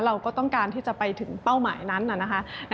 เราก็ต้องการที่จะไปถึงเป้าหมายนั้นนะคะ